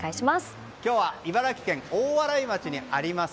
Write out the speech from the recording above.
今日は茨城県大洗町にあります